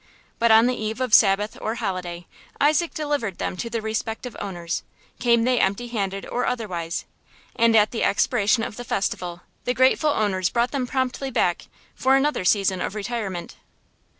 But on the eve of Sabbath or holiday Isaac delivered them to their respective owners, came they empty handed or otherwise; and at the expiration of the festival the grateful owners brought them promptly back, for another season of retirement.